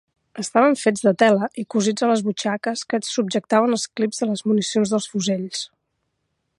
Estaven fets de tela i cosits a les butxaques que subjectaven els clips de les municions dels fusells.